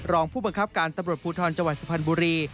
รองผู้บังคับการตำรวจพุทธรจสภัณฑ์บุรี